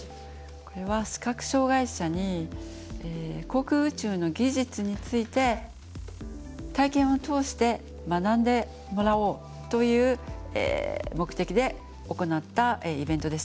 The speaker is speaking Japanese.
これは視覚障害者に航空宇宙の技術について体験を通して学んでもらおうという目的で行ったイベントでした。